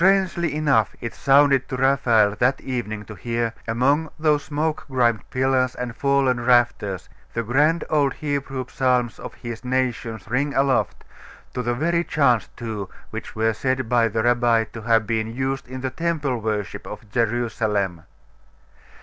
Strangely enough it sounded to Raphael that evening to hear, among those smoke grimed pillars and fallen rafters, the grand old Hebrew psalms of his nation ring aloft, to the very chants, too, which were said by the rabbi to have been used in the Temple worship of Jerusalem....